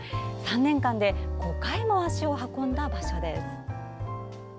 ３年間で５回も足を運んだ場所です。